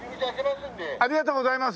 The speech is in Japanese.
ありがとうございます。